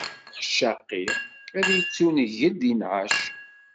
Ṛṛuḥ ccaqi, ad ittuneggel di nneɛc.